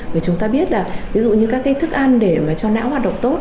vì chúng ta biết là ví dụ như các thức ăn để cho não hoạt động tốt